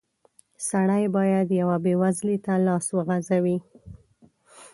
سړی بايد يوه بېوزله ته لاس وغزوي.